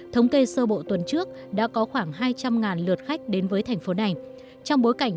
thống kê sơ bộ tuần trước đã có khoảng hai trăm linh lượt khách đến với thành phố này trong bối cảnh